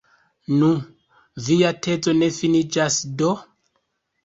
Nu, via tezo ne finiĝas do?